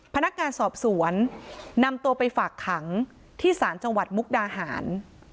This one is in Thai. พนักงานสอบสวนนำตัวไปฝากขังที่ศาลจังหวัดมุกดาหาร